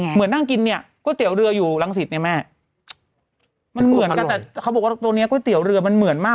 เหมือนนั่งกินเนี่ยก๋วยเตี๋ยวเรืออยู่รังสิตเนี่ยแม่มันเหมือนกันแต่เขาบอกว่าตัวเนี้ยก๋วยเตี๋ยวเรือมันเหมือนมาก